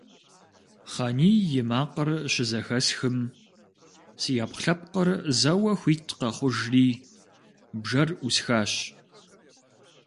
Хъаний и макъыр щызэхэсхым, си Ӏэпкълъэпкъыр зэуэ хуит къэхъужри бжэр Ӏусхащ.